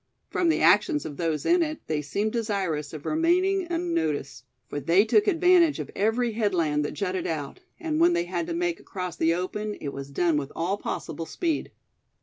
From the actions of those in it, they seemed desirous of remaining unnoticed; for they took advantage of every headland that jutted out; and when they had to make across the open, it was done with all possible speed.